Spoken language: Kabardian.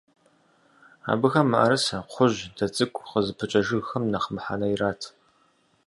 Абыхэм мыӀэрысэ, кхъужь, дэ цӀыкӀу къызыпыкӀэ жыгхэм нэхъ мыхьэнэ ират.